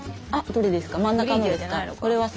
どれですか？